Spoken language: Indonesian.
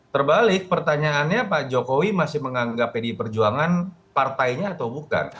terbalik pertanyaannya pak jokowi masih menganggap pdi perjuangan partainya atau bukan